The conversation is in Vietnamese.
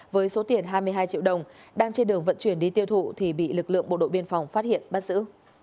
với số tiền hai mươi hai triệu đồng đang trên đường vận chuyển đi tiêu thụ thì bị lực lượng bộ đội biên phòng phát hiện bắt giữ